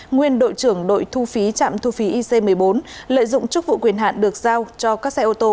nguyên đội trưởng đội thu phí trạm thu phí ic một mươi bốn lợi dụng chức vụ quyền hạn được giao cho các xe ô tô